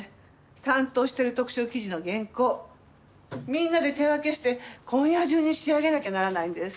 担当してる特集記事の原稿みんなで手分けして今夜中に仕上げなきゃならないんですって。